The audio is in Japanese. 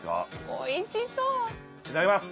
おいしそういただきます